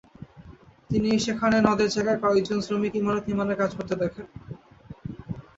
তিনি সেখানে নদের জায়গায় কয়েকজন শ্রমিককে ইমারত নির্মাণের কাজ করতে দেখেন।